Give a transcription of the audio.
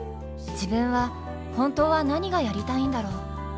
自分は本当はなにがやりたいんだろう。